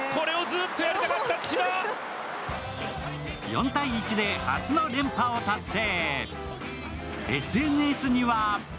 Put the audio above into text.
４−１で初の連覇を達成。